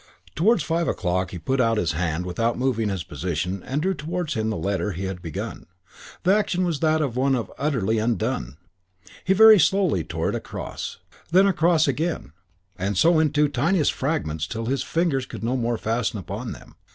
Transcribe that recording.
Towards five o'clock he put out his hand without moving his position and drew towards him the letter he had begun. The action was as that of one utterly undone. He very slowly tore it across, and then across again, and so into tiniest fragments till his fingers could no more fasten upon them.